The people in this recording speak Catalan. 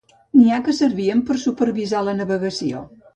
N'hi ha que servien per supervisar la navegació.